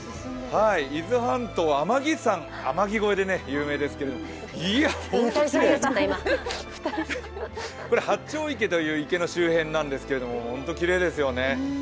伊豆半島、天城山、「天城越え」で有名ですけど、八丁池という池の周辺ですけれども、本当きれいですよね。